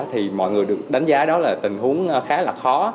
thì mọi người được đánh giá đó là tình huống khá là khó